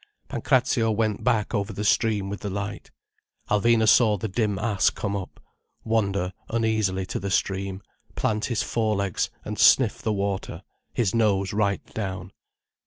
Pancrazio went back over the stream with the light. Alvina saw the dim ass come up, wander uneasily to the stream, plant his fore legs, and sniff the water, his nose right down.